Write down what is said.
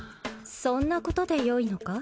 そんなことでよいのか？